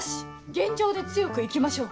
現状で強く生きましょう。